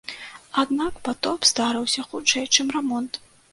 Аднак патоп здарыўся хутчэй, чым рамонт.